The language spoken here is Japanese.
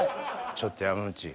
ちょっと山内。